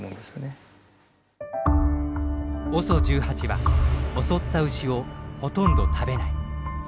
ＯＳＯ１８は襲った牛をほとんど食べない。